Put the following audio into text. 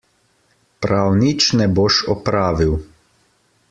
Prav nič ne boš opravil!